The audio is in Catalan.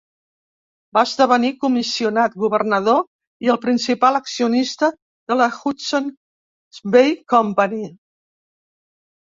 Va esdevenir comissionat, governador i el principal accionista de la Hudson's Bay Company.